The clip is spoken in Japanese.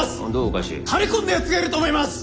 垂れこんだやつがいると思います！